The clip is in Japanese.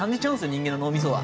人間の脳みそは。